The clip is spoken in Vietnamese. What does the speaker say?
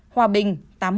hòa bình tám mươi